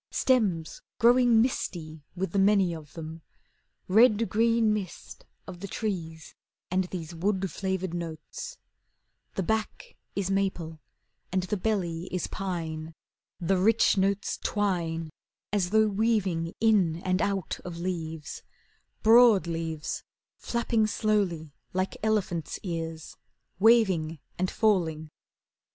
Stems growing misty With the many of them, Red green mist Of the trees, And these Wood flavoured notes. The back is maple and the belly is pine. The rich notes twine As though weaving in and out of leaves, Broad leaves Flapping slowly like elephants' ears, Waving and falling.